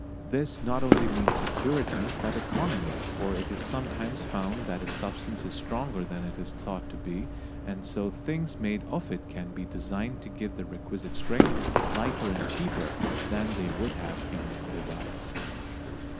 This not only means security but economy, for it is sometimes found that a substance is stronger than it is thought to be, and so things made of it can be designed to give the requisite strength lighter and cheaper than they would have been otherwise.